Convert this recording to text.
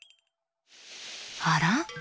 あら？